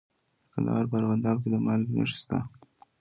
د کندهار په ارغنداب کې د مالګې نښې شته.